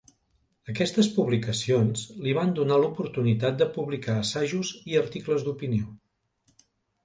Aquestes publicacions li van donar l'oportunitat de publicar assajos i articles d'opinió.